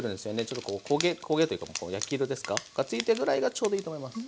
ちょっとこう焦げというか焼き色ですかがついたぐらいがちょうどいいと思います。